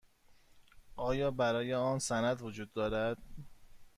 آیا برای آن سند وجود دارد؟